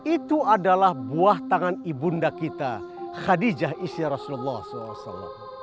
itu adalah buah tangan ibunda kita khadijah isya rasulullah saw